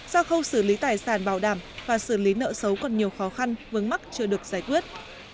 do khâu xử lý tài sản bảo đảm và xử lý nợ xấu còn nhiều khó khăn vướng mắt chưa được giải quyết